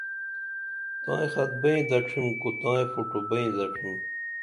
تائیں خط بئیں دڇِھم کو تائیں فُوٹُو بئیں دڇِھم